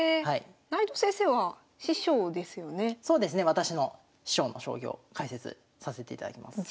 私の師匠の将棋を解説させていただきます。